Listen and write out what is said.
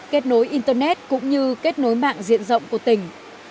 kết nối internet cũng như kết nối mạng diện rộng của tỉnh